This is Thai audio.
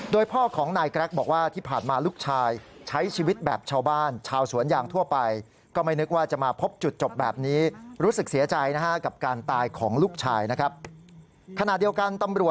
โดยพ่อของนายกรกบอกว่า